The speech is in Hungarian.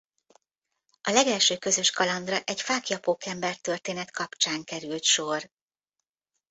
A legelső közös kalandra egy Fáklya-Pókember történet kapcsán került sor.